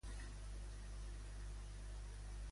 Ja se n'havia fet alguna anteriorment, en temps moderns?